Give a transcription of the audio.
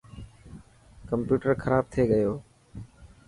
ڪمپيوٽر کراب ٿي گيو.